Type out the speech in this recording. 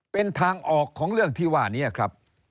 เป็นทางออกของเรื่องที่ว่านี้ครับ